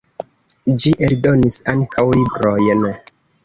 Ĝi eldonis ankaŭ librojn.